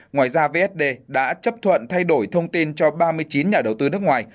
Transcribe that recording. ngoài ra vsd đã chấp thuận thay đổi thông tin cho ba mươi chín nhà đầu tư nước ngoài